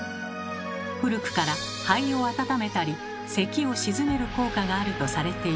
古くから肺を温めたりせきを鎮める効果があるとされていました。